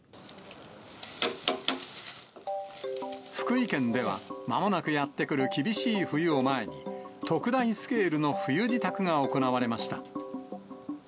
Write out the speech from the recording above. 福井県では、まもなくやって来る厳しい冬を前に、特大スケールの冬支度が行われました。